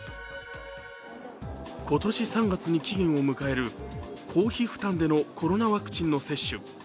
今年３月に期限を迎える公費負担でのコロナワクチンの接種。